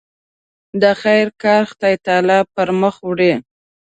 د خیر کار خدای تعالی پر مخ وړي.